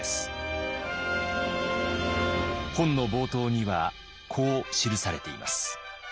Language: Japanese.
本の冒頭にはこう記されています。